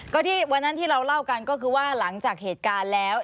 ก็ที่วันนั้นที่เราเล่ากันก็คือว่าหลังจากเหตุการณ์แล้ว